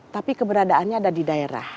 tapi keberadaannya ada di daerah